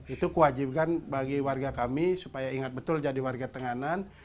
itu kewajiban bagi warga kami supaya ingat betul jadi warga tenganan